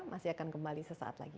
masih akan kembali sesaat lagi